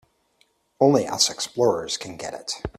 Only us explorers can get it.